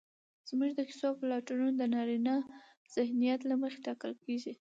زموږ د کيسو پلاټونه د نارينه ذهنيت له مخې ټاکل کېږي